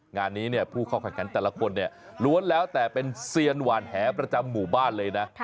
งานนี้เนี่ยผู้เข้าแข่งขันแต่ละคนเนี่ยล้วนแล้วแต่เป็นเซียนหวานแหประจำหมู่บ้านเลยนะ